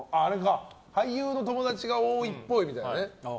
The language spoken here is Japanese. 俳優の友達が多いっぽいみたいな。